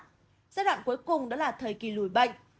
giai đoạn cuối cùng đó là thời kỳ lùi bệnh